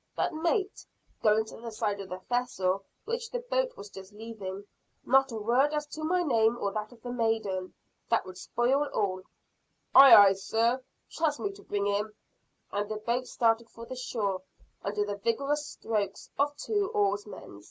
But Mate" going to the side of the vessel, which the boat was just leaving, "not a word as to my name or that of the maiden. That would spoil all." "Aye, aye, sir! Trust me to bring him!" and the boat started for the shore, under the vigorous strokes of two oarsmen.